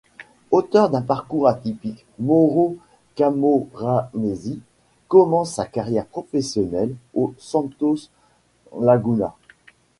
Auteur d'un parcours atypique, Mauro Camoranesi commence sa carrière professionnelle au Santos Laguna.